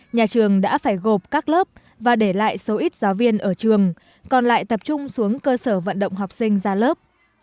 nhà trường đã phải gộp các lớp và để lại số ít giáo viên ở trường còn lại tập trung xuống cơ sở vận động học sinh ra lớp